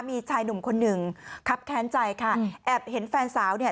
มีชายหนุ่มคนหนึ่งครับแค้นใจค่ะแอบเห็นแฟนสาวเนี่ย